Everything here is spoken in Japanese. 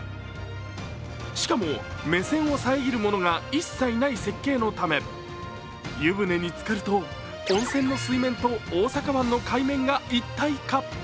しかも目線を遮るのものが一切ない設計のため湯船につかると、温泉の水面と大阪湾の海面が一体化。